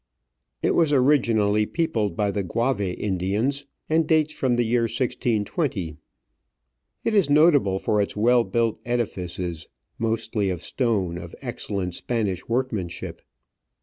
It was originally peopled by the Guave Indians, and dates from the year 1620. It is notable for its well built edifices, mostly of stone of excellent Spanish workmanship.